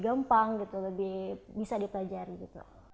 gampang bisa dipelajari